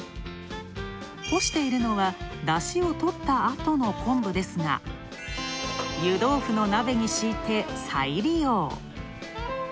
干しているのは、だしをとったあとの昆布ですが湯豆腐の鍋に敷いて再利用。